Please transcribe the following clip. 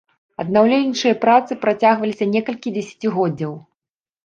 Аднаўленчыя працы працягваліся некалькі дзесяцігоддзяў.